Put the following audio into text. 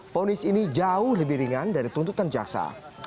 fonis ini jauh lebih ringan dari tuntutan jaksa